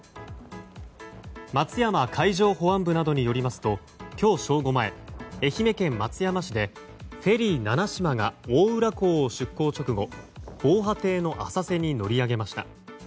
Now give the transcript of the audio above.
松山海上保安部などによりますと今日正午前愛媛県松山市でフェリー「ななしま」が大浦港を出港直後防波堤の浅瀬に乗り上げました。